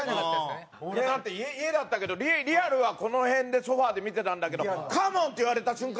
俺なんて家だったけどリアルはこの辺でソファで見てたんだけど「カモン！」って言われた瞬間